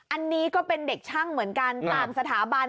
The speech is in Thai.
อันนี้ก็เป็นเด็กช่างเหมือนกันต่างสถาบัน